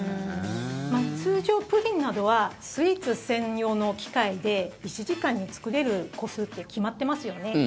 通常、プリンなどはスイーツ専用の機械で１時間に作れる個数って決まってますよね。